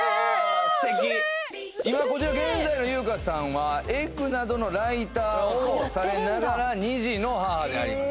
素敵今こちら現在のゆうかさんは「ｅｇｇ」などのライターをされながらああそう２児の母であります